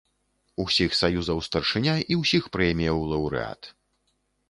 Усіх саюзаў старшыня і ўсіх прэміяў лаўрэат.